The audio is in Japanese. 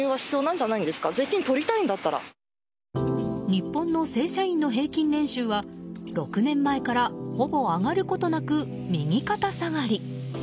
日本の正社員の平均年収は６年前からほぼ上がることなく右肩下がり。